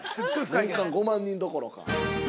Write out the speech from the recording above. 年間５万人どころか。